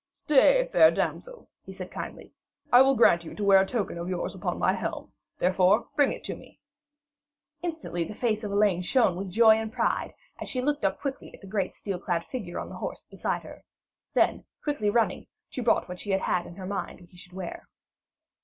'Stay, fair damsel,' he said kindly, 'I will grant you to wear a token of yours upon my helm. Therefore, bring it me.' Instantly the face of Elaine shone with joy and pride as she looked up quickly at the great steel clad figure on the horse beside her. Then, quickly running, she brought what she had in her mind he should wear.